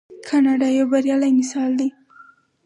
کاناډا یو بریالی مثال دی.